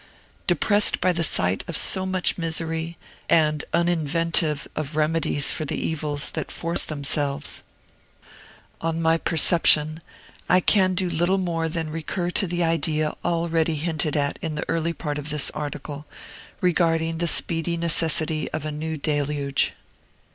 Depressed by the sight of so much misery, and uninventive of remedies for the evils that force themselves on my perception, I can do little more than recur to the idea already hinted at in the early part of this article, regarding the speedy necessity of a new deluge.